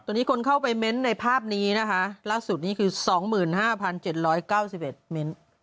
ตอนนี้คนเข้าไปเม้นต์ในภาพนี้นะคะล่าสุดนี้คือ๒๕๗๙๑เม้นต์